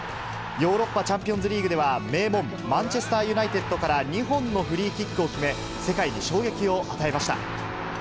ヨーロッパチャンピオンズリーグでは名門、マンチェスター・ユナイテッドから２本のフリーキックを決め、世界に衝撃を与えました。